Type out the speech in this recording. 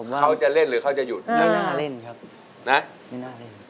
เขาจะเล่นหรือเขาจะหยุดนะครับคุณหนุ่ยพูดบ้าพูดจริง